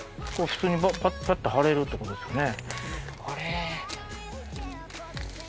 普通にパッパッパッ貼れるってことですかね。